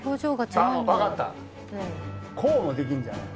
こうもできるんじゃない？